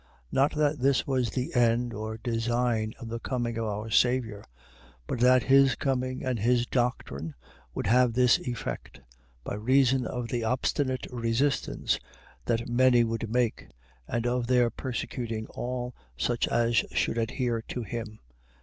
.Not that this was the end or design of the coming of our Saviour; but that his coming and his doctrine would have this effect, by reason of the obstinate resistance that many would make, and of their persecuting all such as should adhere to him.